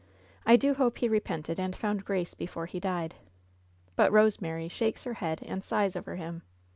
I do hope he repented and found grace before he died. But Rosemary shakes her head and sighs over him.